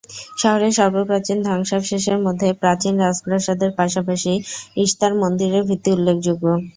শহরে সর্বপ্রাচীন ধ্বংসাবশেষের মধ্যে প্রাচীন রাজপ্রাসাদের পাশাপাশি ইশতার মন্দিরের ভিত্তি উল্লেখযোগ্য।